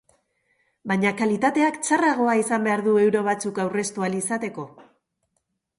Baina kalitateak txarragoa izan behar du euro batzuk aurreztu ahal izateko?